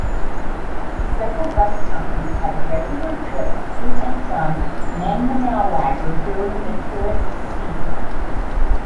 Several bus companies have regular trips to and from Landmannalaugar during the tourist season.